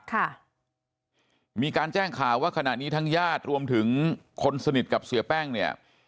ค่ะมีการแจ้งข่าวว่าขณะนี้ทั้งญาติรวมถึงคนสนิทกับเสียแป้งเนี่ย